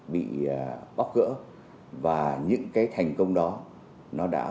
bị bóc cỡ và những thành công đó đã góp